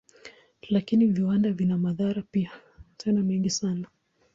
Lakini viwanda vina madhara pia, tena mengi sana.